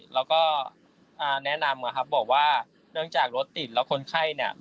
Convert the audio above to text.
แล้วก็แนะนำนะครับบอกว่าเนื่องจากรถติดแล้วคนไข้เนี่ย